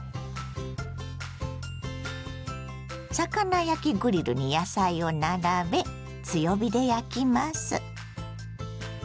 魚焼きグリルに野菜を並べ強火で焼きます。